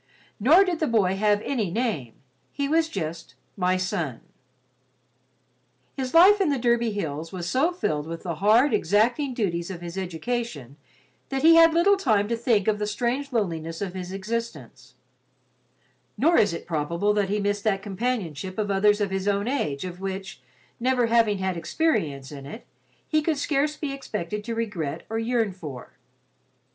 Nor did the boy have any name—he was just "my son." His life in the Derby hills was so filled with the hard, exacting duties of his education that he had little time to think of the strange loneliness of his existence; nor is it probable that he missed that companionship of others of his own age of which, never having had experience in it, he could scarce be expected to regret or yearn for.